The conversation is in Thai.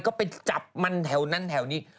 ก็ไปจับมันแถวนั้นแถวนี้